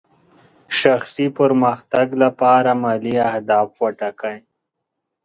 شخصي پرمختګ لپاره مالي اهداف ټاکئ.